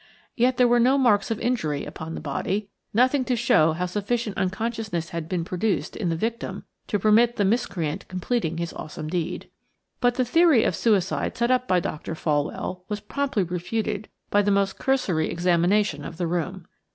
Yet there were no marks of injury upon the body, nothing to show how sufficient unconsciousness had been produced in the victim to permit of the miscreant completing his awesome deed. But the theory of suicide set up by Dr. Folwell was promptly refuted by the most cursory examination of the room.